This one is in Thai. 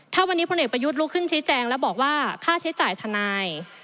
ถ้าวันนี้พลเอกประยุทธ์ลุกขึ้นชี้แจงแล้วบอกว่าค่าใช้จ่ายทนาย